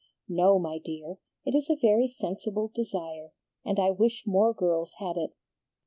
"No, my dear, it is a very sensible desire, and I wish more girls had it.